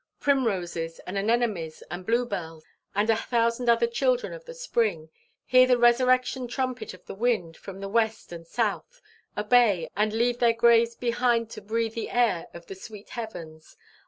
Primroses, and anemones, and blue bells, and a thousand other children of the spring, hear the resurrection trumpet of the wind from the west and south, obey, and leave their graves behind to breathe the air of the sweet heavens.